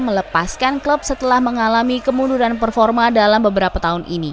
melepaskan klub setelah mengalami kemunduran performa dalam beberapa tahun ini